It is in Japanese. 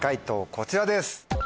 こちらです。